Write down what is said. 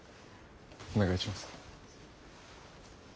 お願いします。